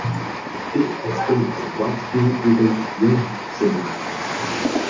This explains why Stewart resents Remy so much.